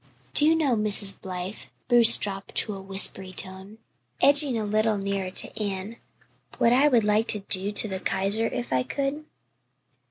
Do you know, Mrs. Blythe" Bruce dropped to a "whispery" tone, edging a little nearer to Anne "what I would like to do to the Kaiser if I could?"